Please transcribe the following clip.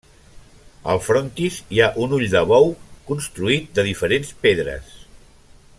Al frontis hi ha un ull de bou, construït de diferents pedres.